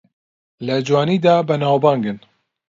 لە جوانیدا بەناوبانگن